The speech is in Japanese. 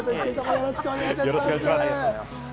よろしくお願いします。